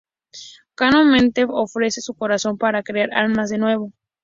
Kaname ofrece su corazón para crear armas de nuevo.